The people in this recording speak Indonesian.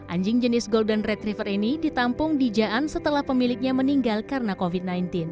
anjing jenis golden red river ini ditampung di jaan setelah pemiliknya meninggal karena covid sembilan belas